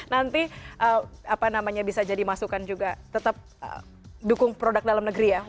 nanti apa namanya bisa jadi masukan juga tetap dukung produk dalam negeri ya